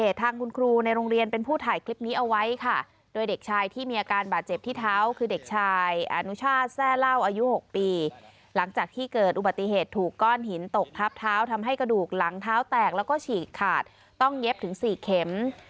ตกทับเท้าทำให้กระดูกหลังเท้าแตกแล้วก็ฉีกขาดต้องเย็บถึง๔เข็ม